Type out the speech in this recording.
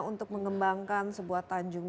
untuk mengembangkan sebuah tanjung